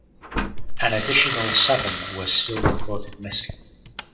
An additional seven were still reported missing.